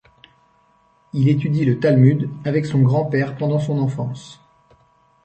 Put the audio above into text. Il étudie le Talmud avec son grand-père pendant son enfance.